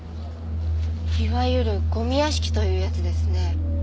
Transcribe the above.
いわゆるゴミ屋敷というやつですね。